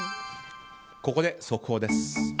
ここで速報です。